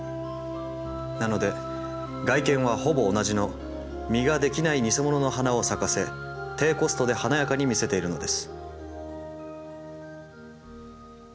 なので外見はほぼ同じの実ができないニセモノの花を咲かせ低コストで華やかに見せているのです。